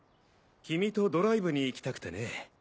君とドライブに行きたくてね。